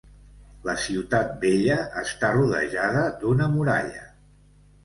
La ciutat vella està rodejada d'una muralla.